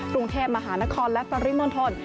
กรุงเทพมหานครและปริมณฑล